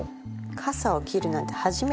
傘を切るなんて初めてです。